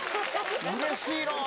うれしいな。